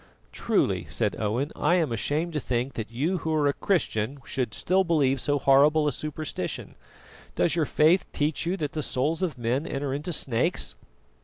"Truly," said Owen, "I am ashamed to think that you who are a Christian should still believe so horrible a superstition. Does your faith teach you that the souls of men enter into snakes?"